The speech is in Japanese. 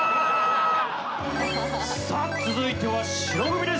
さあ続いては白組です。